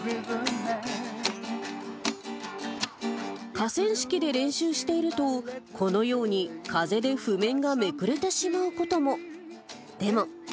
河川敷で練習していると、このように、風で譜面がめくれてしまうことも。